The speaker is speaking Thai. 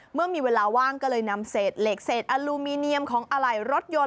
เมื่อมีเวลาว่างก็เลยนำเศษเหล็กเศษอลูมิเนียมของอะไหล่รถยนต์